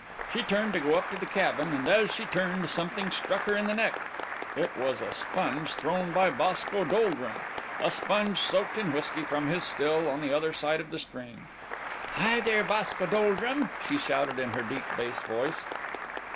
She turned to go up to the cabin, and, as she turned something struck her in the neck. It was a sponge, thrown by Boscoe Doldrum a sponge soaked in whiskey from his still on the other side of the stream. "Hi, thar, Boscoe Doldrum," she shouted in her deep bass voice.